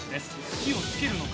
火を付けるのか？